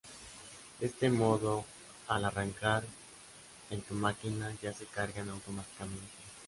De este modo al arrancar Pd en tu máquina ya se cargan automáticamente.